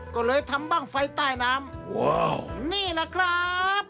ก็เลยทำบ้างไฟใต้น้ำว้าวนี่แหละครับ